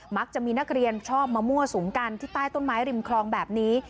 มักจะมีนักเรียนชอบมามั่วสุมกันที่ใต้ต้นไม้ริมคลองแบบนี้